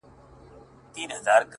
• زما او ستا په جدايۍ خوشحاله؛